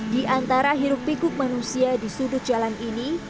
di antara hirup pikuk manusia di sudut jalan ini